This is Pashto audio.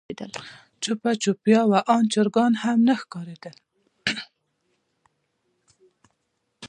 چوپه چوپتيا وه آن چرګان هم نه ښکارېدل.